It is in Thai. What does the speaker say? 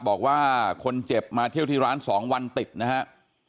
บอกว่าคนเจ็บมาเที่ยวที่ร้าน๒วันติดนะครับ